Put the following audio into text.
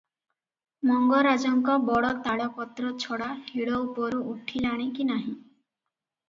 ମଙ୍ଗରାଜଙ୍କ ବଡ଼ ତାଳ ପତ୍ର ଛତା ହିଡ଼ ଉପରୁ ଉଠିଲାଣି କି ନାହିଁ ।